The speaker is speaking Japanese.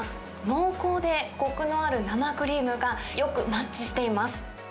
濃厚でこくのある生クリームがよくマッチしています。